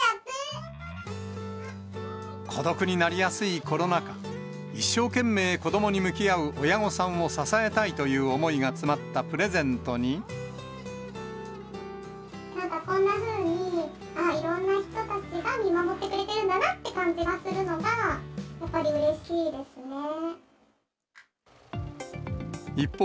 孤独になりやすいコロナ禍、一生懸命子どもに向き合う親御さんを支えたいという思いが詰まっなんかこんなふうに、いろんな人たちが見守ってくれてるんだなって感じがするのが、一方、